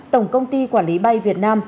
tổng công ty quản lý bay việt nam